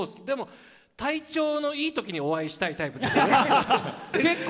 体調のいいときにお会いしたいタイプですね。